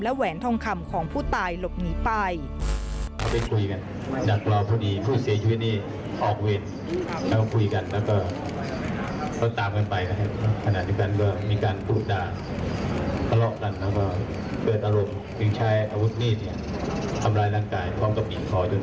แหวนทองคำของผู้ตายหลบหนีไป